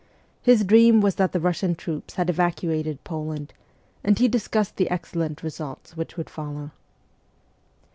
His dream was that the Russian troops had evacuated Poland, and he discussed the excellent results which would follow.